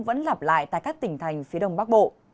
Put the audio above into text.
vẫn lặp lại tại các tỉnh thành phía đông bắc bộ